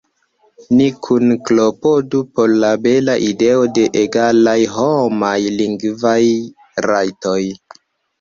Ni kune klopodu por la bela ideo de egalaj homaj lingvaj rajtoj!